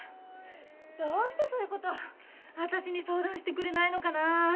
どうしてそういうことをわたしに相談してくれないのかなあ。